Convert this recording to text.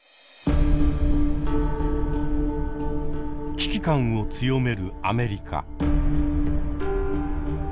危機感を強めるアメリカ。